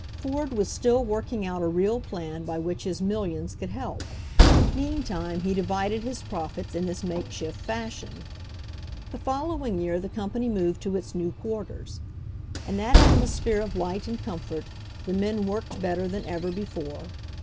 Ford was still working out 146 HENRY FORD'S OWN STORY a real plan by which his millions could help; meantime, he divided his profits in this makeshift fashion. The following year the company moved to its new quarters. In that atmosphere of light and comfort the men worked better than ever before.